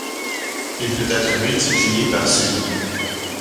Il peut être multiplié par semis.